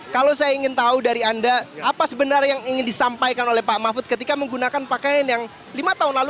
kalau saya ingin tahu dari anda apa sebenarnya yang ingin disampaikan oleh pak mahfud ketika menggunakan pakaian yang lima tahun lalu